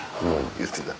言ってた。